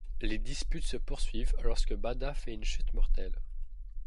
Les disputes se poursuivent lorsque Bada fait une chute mortelle.